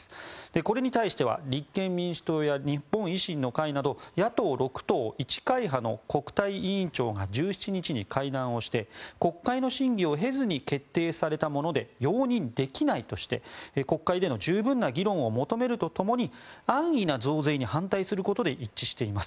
これに対しては立憲民主党や日本維新の会など野党６党１会派の国対委員長が１７日に会談をして国会の審議を経ずに決定されたもので容認できないとして国会での十分な議論を求めるとともに安易な増税に反対することで一致しています。